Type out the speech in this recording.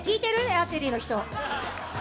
アーチェリーの人？